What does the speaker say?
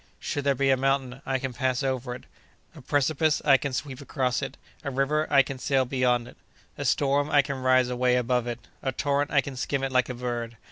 Should there be a mountain, I can pass over it; a precipice, I can sweep across it; a river, I can sail beyond it; a storm, I can rise away above it; a torrent, I can skim it like a bird!